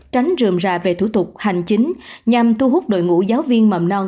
tránh rượm ra về thủ tục hành chính nhằm thu hút đội ngũ giáo viên mầm non